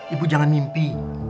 ibu jangan mimpi